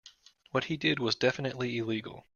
What he did was definitively illegal.